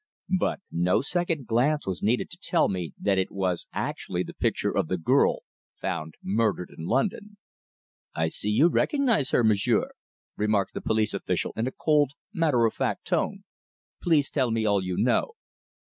But no second glance was needed to tell me that it was actually the picture of the girl found murdered in London. "I see you recognise her, m'sieur," remarked the police official in a cold, matter of fact tone. "Please tell me all you know."